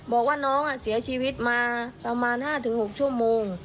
บอกว่าน้องเสียชีวิตมาประมาณ๕๖ชั่วโมง